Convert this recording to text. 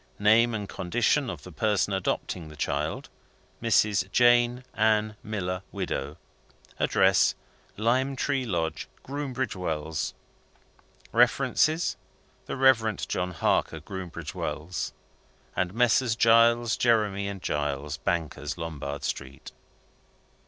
Name and condition of the person adopting the child Mrs. Jane Ann Miller, widow. Address Lime Tree Lodge, Groombridge Wells. References the Reverend John Harker, Groombridge Wells; and Messrs. Giles, Jeremie, and Giles, bankers, Lombard Street."